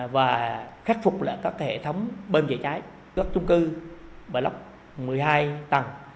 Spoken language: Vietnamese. và khắc phục lại các hệ thống bơm chở cháy các chung cư một mươi hai tầng